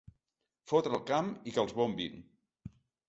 Fotre el camp i que els bombin.